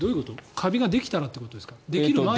カビができたらってことですか？